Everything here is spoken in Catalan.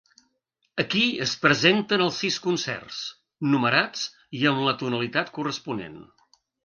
Aquí es presenten els sis concerts, numerats i amb la tonalitat corresponent.